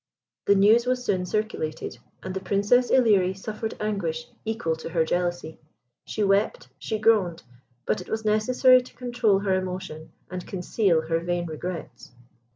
The news was soon circulated, and the Princess Ilerie suffered anguish equal to her jealousy. She wept she groaned; but it was necessary to control her emotion and conceal her vain regrets.